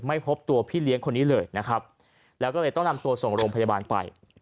พบตัวพี่เลี้ยงคนนี้เลยนะครับแล้วก็เลยต้องนำตัวส่งโรงพยาบาลไป